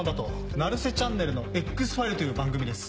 『成瀬チャンネルのＸファイル』という番組です。